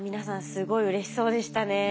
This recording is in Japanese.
すごいうれしそうでしたね。